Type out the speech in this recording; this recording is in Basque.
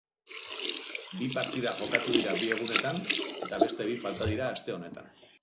Bi partida jokatu dira bi egunetan eta beste bi falta dira aste honetan.